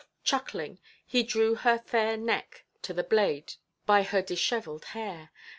Chuckling, he drew her fair neck to the blade by her dishevelled hair.